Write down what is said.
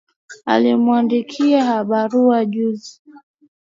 Alimwandikia barua juzi